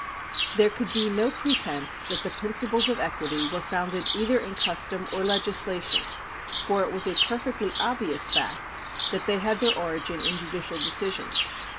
There could be no pretence that the principles of equity were founded either in custom or legislation, for it was a perfectly obvious fact that they had their origin in judicial decisions.